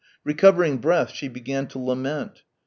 Recovering breath, she began to lament....